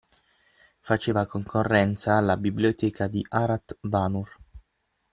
faceva concorrenza alla biblioteca di Arat Vanur.